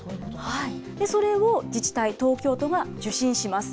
それを自治体、東京都が受信します。